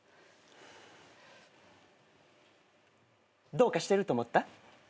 どうかしてると思った？